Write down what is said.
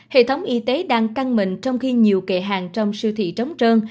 hệ thống y tế đang căng mệnh trong khi nhiều kệ hàng trong siêu thị trống trơn